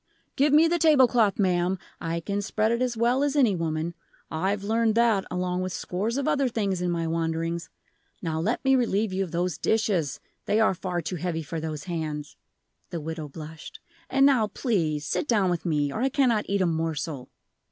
"Give me the table cloth, ma'am, I can spread it as well as any woman; I've learned that along with scores of other things, in my wanderings. Now let me relieve you of those dishes; they are far too heavy for those hands" the widow blushed; "and now please, sit down with me, or I cannot eat a morsel."